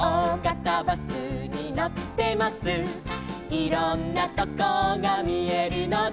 「いろんなとこがみえるので」